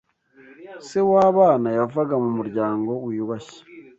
Se w’abana yavaga mu muryango wiyubashye